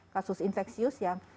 kasus infeksius yang